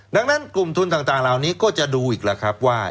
ดังนั้นกลุ่มทุนต่างเหล่านี้ก็จะดูอีกแล้วครับว่า